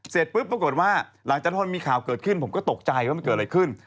เสร็จปุ๊บปรากฏว่าหลังจากพอมีข่าวเกิดขึ้นผมก็ตกใจว่ามันเกิดอะไรขึ้น